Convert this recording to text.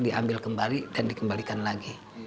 diambil kembali dan dikembalikan lagi